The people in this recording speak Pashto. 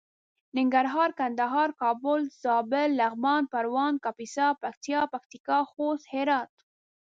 ننګرهار کندهار کابل زابل لغمان پروان کاپيسا پکتيا پکتيکا خوست هرات